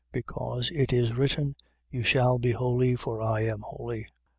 Because it is written: You shall be holy, for I am holy.